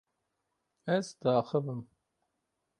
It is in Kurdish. Ez diaxivim.